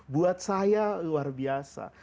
buat saya luar biasa